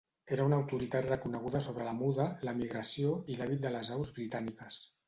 Era una autoritat reconeguda sobre la muda, la migració i l'hàbit de les aus britàniques.